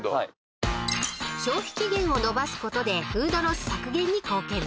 ［消費期限を延ばすことでフードロス削減に貢献］